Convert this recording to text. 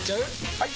・はい！